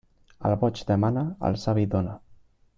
El boig demana, el savi dóna.